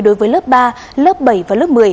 đối với lớp ba lớp bảy và lớp một mươi